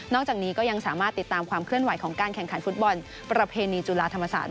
จากนี้ก็ยังสามารถติดตามความเคลื่อนไหวของการแข่งขันฟุตบอลประเพณีจุฬาธรรมศาสต